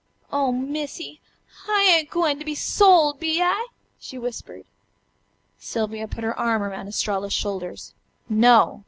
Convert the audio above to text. "Oh, Missy! I ain't gwine to be sold, be I?" she whispered. Sylvia put her arm around Estralla's shoulders. "No!"